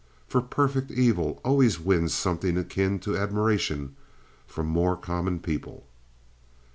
For perfect evil always wins something akin to admiration from more common people.